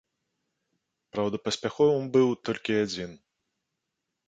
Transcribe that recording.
Праўда, паспяховым быў толькі адзін.